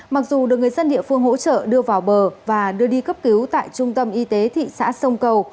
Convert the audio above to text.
mặc dù được người dân địa phương hỗ trợ đưa vào bờ và đưa đi cấp cứu tại trung tâm y tế thị xã sông cầu